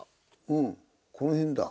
うんこの辺だ。